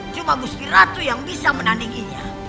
cuma gusti ratu yang bisa menandinginya